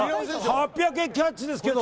８００円キャッチですけど。